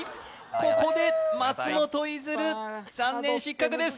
ここで松本逸琉残念失格です